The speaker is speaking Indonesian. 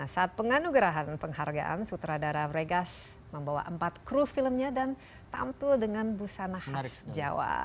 saat penganugerahan penghargaan sutradara vegas membawa empat kru filmnya dan tampil dengan busana khas jawa